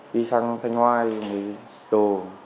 đi sang thanh hoa đồ